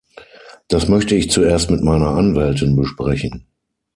Das möchte ich zuerst mit meiner Anwältin besprechen.